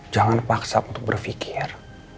jangan paksa untuk berfikir